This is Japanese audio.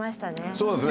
そうですね